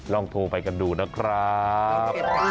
ลองโทรไปกันดูนะครับ